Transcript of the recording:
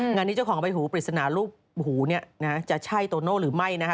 งานนี้เจ้าของใบหูปริศนารูปหูเนี่ยนะฮะจะใช่โตโน่หรือไม่นะคะ